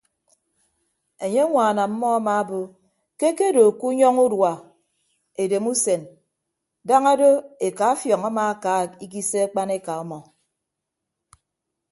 Enye ñwaan ọmmọ amaabo ke akedo ke unyọñọ udua edem usen daña do eka afiọñ amaaka ikise akpaneka ọmọ.